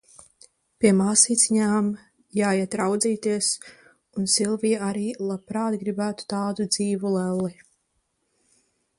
Pie māsīciņām jāiet raudzībās, un Silvija arī labprāt gribētu tādu dzīvu lelli.